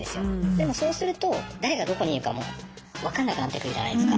でもそうすると誰がどこにいるかもう分かんなくなってくるじゃないすか。